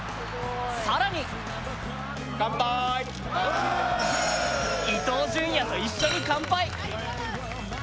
更に伊東純也と一緒に乾杯！